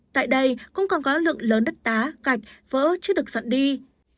tại đây cũng còn có lượng lớn đất tá cạch vỡ chứ được dọn đi